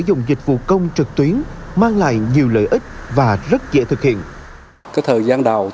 dùng dịch vụ công trực tuyến mang lại nhiều lợi ích và rất dễ thực hiện cái thời gian đào